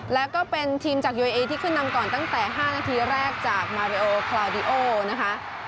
และก็เป็นทีมจากยูเอเอที่ขึ้นนำก่อนตั้งแต่ห้านาทีแรกจากคลาวดิโอนะคะ